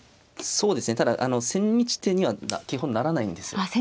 そうですねただ千日手には基本ならないんですよ。